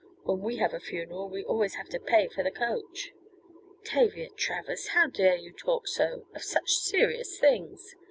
When we have a funeral we always have to pay for the coach." "Tavia Travers! How dare you talk so, of such serious things!"